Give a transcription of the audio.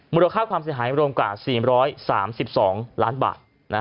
มูลค่าความเสี่ยหายอีก๑๐๐ล้านบาท